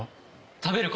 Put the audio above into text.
食べる事！